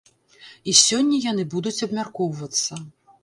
І сёння яны будуць абмяркоўвацца.